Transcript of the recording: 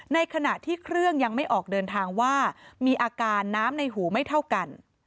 ในขณะที่เครื่องยังไม่ออกเดินทางว่ามีอาการน้ำในหูไม่เท่ากัน